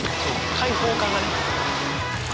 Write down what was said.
開放感がね。